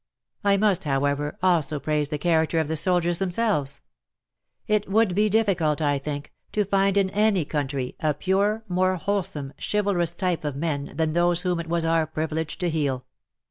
I must, however, also praise the character of the soldiers themselves. It would be difficult, I think, to find in any country a purer, more wholesome, chivalrous type of men than those whom it was our privilege to heal.